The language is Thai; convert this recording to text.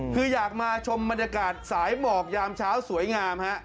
คืออยากมาชมบรรยากาศสายหมอกยามเช้าสวยงามฮะ